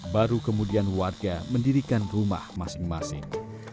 baru kemudian warga mendirikan rumah masing masing